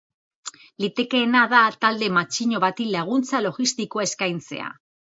Litekeena da talde matxino bati laguntza logistikoa eskaintzea.